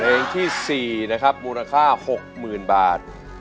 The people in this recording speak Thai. เพลงที่๔นะครับมูลค่า๖๐๐๐บาท